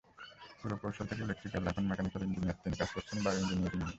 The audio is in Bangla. পুরকৌশল থেকে ইলেকট্রিক্যাল, এখন মেকানিক্যাল ইঞ্জিনিয়ার তিনি, কাজ করছেন বায়ো-ইঞ্জিনিয়ারিং নিয়ে।